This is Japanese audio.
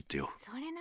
・それな。